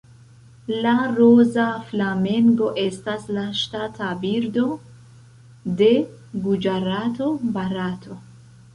La Roza flamengo estas la ŝtata birdo de Guĝarato, Barato.